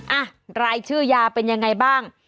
อ่ะรายชื่อยาเป็นยังไงบ้าง